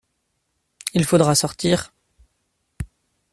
Il faudra sortir.